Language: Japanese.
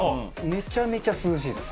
めちゃめちゃ涼しいです。